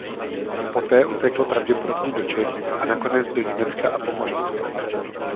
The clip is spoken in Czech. Poté utekl pravděpodobně do Čech a nakonec do Německa a Pomořanska.